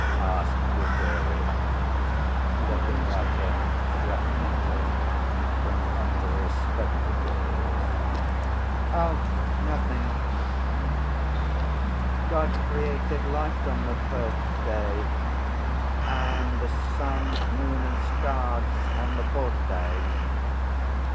asked Grigory, looking at him threateningly from under his spectacles. "Oh, nothing. God created light on the first day, and the sun, moon, and stars on the fourth day.